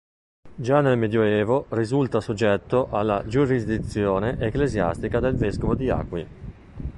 Già nel medioevo risulta soggetto alla giurisdizione ecclesiastica del vescovo di Acqui.